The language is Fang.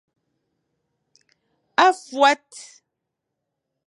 A fuat.